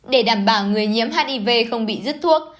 để đảm bảo người nhiễm hiv không bị rứt thuốc